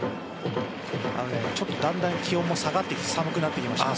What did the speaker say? ちょっとだんだん気温も下がって寒くなってきました。